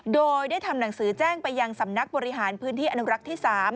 โดยได้ทำหนังสือแจ้งไปยังสำนักบริหารพื้นที่อนุรักษ์ที่๓